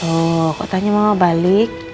tuh kok tanya mama balik